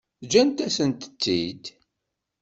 Ǧǧet-asent-tent-id.